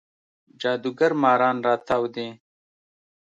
جادوګر ماران راتاو دی